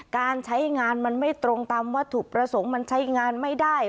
การใช้งานมันไม่ตรงตามวัตถุประสงค์มันใช้งานไม่ได้